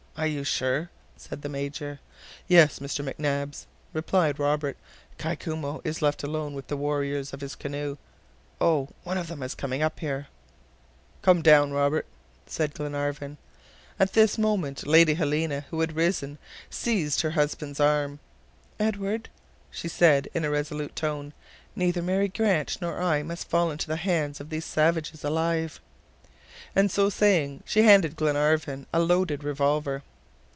"Are you sure?" said the Major. "Yes, Mr. McNabbs," replied Robert, "Kai Koumou is left alone with the warriors of his canoe. .... Oh! one of them is coming up here. ...." "Come down, Robert," said Glenarvan. At this moment, Lady Helena who had risen, seized her husband's arm. "Edward," she said in a resolute tone, "neither Mary Grant nor I must fall into the hands of these savages alive!" And so saying, she handed Glenarvan a loaded revolver.